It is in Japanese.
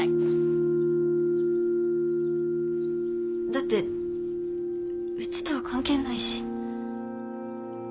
だってうちとは関係ないし。